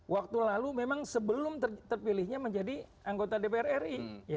waktu lalu memang sebelum terpilihnya menjadi anggota dpr ri